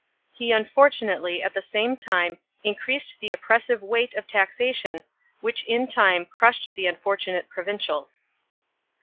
He unfortunately at the same time increased the oppressive weight of taxation which in time crushed the unfortunate provincials.